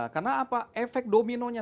karena apa efek dominonya